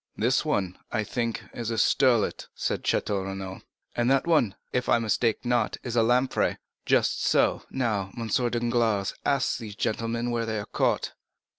"This one is, I think, a sterlet," said Château Renaud. "And that one, if I mistake not, a lamprey." "Just so. Now, M. Danglars, ask these gentlemen where they are caught."